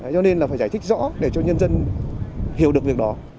cho nên là phải giải thích rõ để cho nhân dân hiểu được việc đó